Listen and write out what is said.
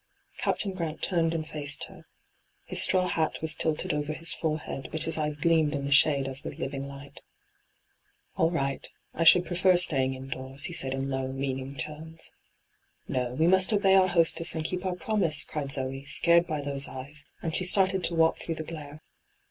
Captain Gh ant turned and faced her. His straw hat was tilted over his forehead, but hia eyes gleamed in the shade as with living light. ' All right J I should prefer staying in doors/ he said in low, meaning tones. ' No ; we must obey our hostesa and keep our promise,' cried Zoe, scared by those eyes, and she started to walk through the glare.